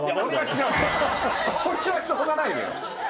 俺はしょうがないよ。